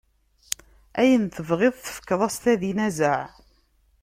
Ayen tebɣiḍ tefkeḍ-as, ad inazeɛ.